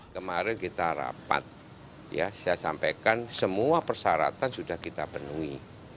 kemarin kita rapat ya saya sampaikan semua persyaratan sudah kita penuhi